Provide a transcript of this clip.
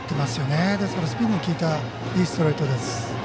ですからスピンの利いたいいストレートです。